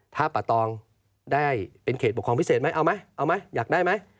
ถ้าปะตองได้เป็นเขตปกครองพิเศษไหมเอาไหมเอาไหมอยากได้ไหม